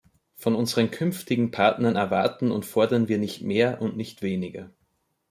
Von unseren künftigen Partnern erwarten und fordern wir nicht mehr und nicht weniger.